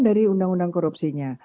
tidak karena undang undang korupsinya